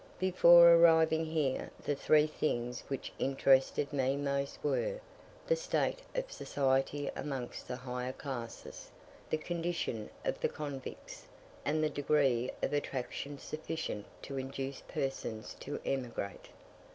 Before arriving here the three things which interested me most were the state of society amongst the higher classes, the condition of the convicts, and the degree of attraction sufficient to induce persons to emigrate.